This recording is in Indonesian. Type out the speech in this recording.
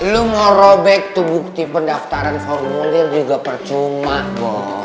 lu mau robek tuh bukti pendaftaran formulir juga percuma kok